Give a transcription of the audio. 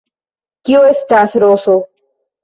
Kio estas roso?